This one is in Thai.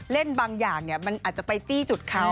เล่นบางอย่างมันอาจจะไปจี้จุดเขา